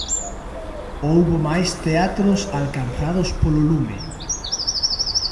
Houbo máis teatros alcanzados polo lume.